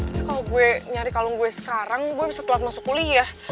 ini kalau gue nyari kalung gue sekarang gue bisa telat masuk kuliah